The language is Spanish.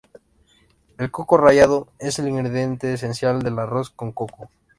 El coco rallado es el ingrediente esencial del arroz con coco.